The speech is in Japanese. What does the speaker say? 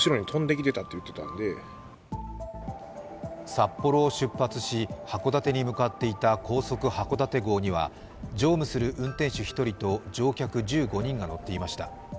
札幌を出発し、函館に向かっていた高速はこだて号には乗務する運転手１人と乗客１５人が乗っていました。